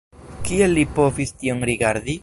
Kiel Li povis tion rigardi?!